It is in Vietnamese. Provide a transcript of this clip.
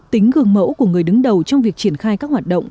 tính gương mẫu của người đứng đầu trong việc triển khai các hoạt động